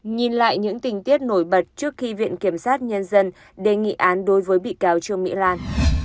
nhìn lại những tình tiết nổi bật trước khi viện kiểm sát nhân dân đề nghị án đối với bị cáo trương mỹ lan